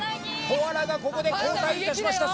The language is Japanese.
コアラがここで後退いたしました